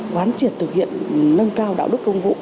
quán triệt thực hiện nâng cao đạo đức công vụ